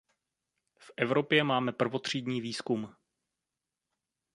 V Evropě máme prvotřídní výzkum.